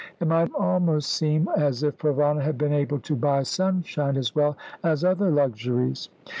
It might almost seem as if Provana had been able to buy sunshine as well as other luxuries.